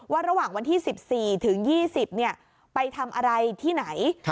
ระหว่างวันที่๑๔ถึง๒๐ไปทำอะไรที่ไหน